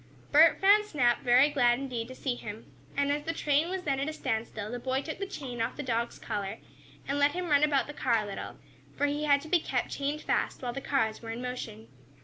Bert found Snap very glad indeed to see him, and as the train was then at a standstill the boy took the chain off the dog's collar, and let him run about the car a little, for he had to be kept chained fast while the cars were in motion.